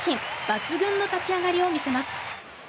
抜群の立ち上がりを見せます。